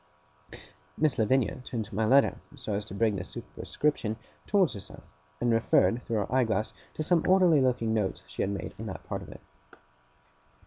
Miss Lavinia turned my letter, so as to bring the superscription towards herself, and referred through her eye glass to some orderly looking notes she had made on that part of it.